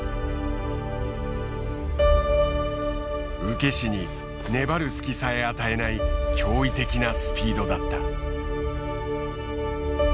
受け師に粘る隙さえ与えない驚異的なスピードだった。